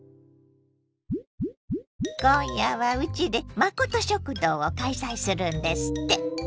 今夜はうちで「まこと食堂」を開催するんですって！